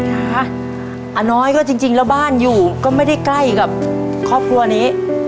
อาน้อยก็จริงแล้วบ้านอยู่ก็ไม่ได้ใกล้กับครอบครัวนี้